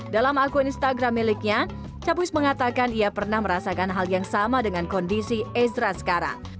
dalam akun instagram miliknya capuis mengatakan ia pernah merasakan hal yang sama dengan kondisi ezra sekarang